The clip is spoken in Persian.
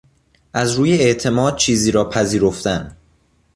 از روی اعتماد چیزی را پذیرفتن